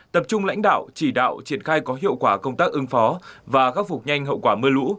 tập trung lãnh đạo chỉ đạo triển khai có hiệu quả công tác ứng phó và khắc phục nhanh hậu quả mưa lũ